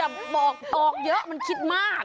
เอออย่าบอกตอกเยอะมันคิดมาก